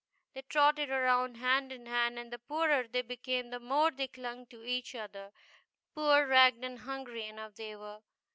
They trotted around hand in hand, and the poorer they became the more they clung to each other Poor, ragged, and hungry enough they were